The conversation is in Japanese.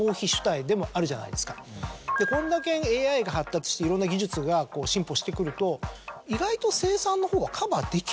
これだけＡＩが発達していろんな技術が進歩してくると意外と。